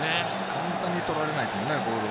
簡単にとられないですもんね、ボール。